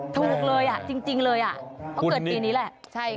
ถูกเลยอ่ะจริงเลยอ่ะเพราะเกิดปีนี้แหละ